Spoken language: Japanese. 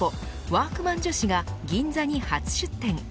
ワークマン女子が銀座に初出店。